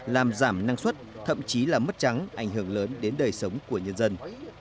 làm giảm năng suất thậm chí là mất trắng ảnh hưởng lớn đến đời sống của nhân dân